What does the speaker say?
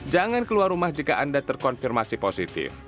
jangan keluar rumah jika anda terkonfirmasi positif